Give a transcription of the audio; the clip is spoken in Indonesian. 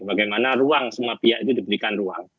bagaimana ruang semua pihak itu diberikan ruang